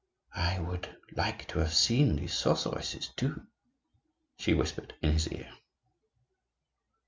"I would like to have seen the sorceresses, too," she whispered in his ear.